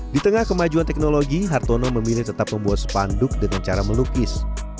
di tengah kemajuan teknologi hartono memilih tetap membuat spanduk dengan cara melukis